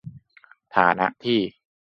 ฐานะที่